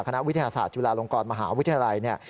คณะวิทยาศาสตร์จุฬาลงกรมหาวิทยาลัยเนี่ย